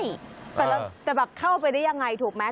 แล้วแต่แบบเข้าไปได้อย่างไรถูกไหม